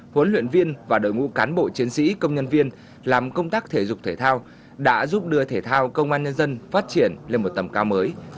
huấn luyện viên và đội ngũ cán bộ chiến sĩ công nhân viên làm công tác thể dục thể thao đã giúp đưa thể thao công an nhân dân phát triển lên một tầm cao mới